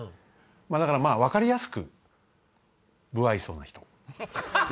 だから分かりやすく無愛想な人。